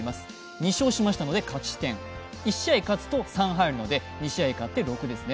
２勝しましたので勝ち点１試合勝ちますと３入りますので２試合勝って、６ですね。